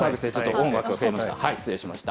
音楽が違いました。